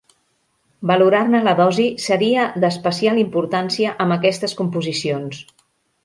Valorar-ne la dosi seria d'especial importància amb aquestes composicions.